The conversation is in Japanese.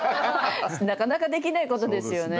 なかなかできないことですよね。